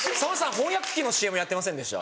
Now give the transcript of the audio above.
翻訳機のＣＭやってませんでした？